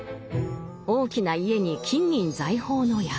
大きな家に金銀財宝の山。